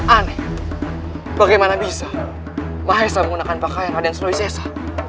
aneh bagaimana bisa mahesa menggunakan pakaian raden surawi sesa